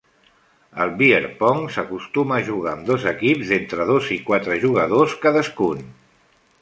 El beer pong s'acostuma a jugar amb dos equips d'entre dos i quatre jugadors cadascun.